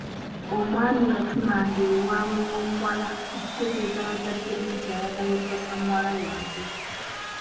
Omwami yatumanga ewaabwe w’omuwala okutegeeza bazadde be nti ayagala okuwasa muwala waabwe.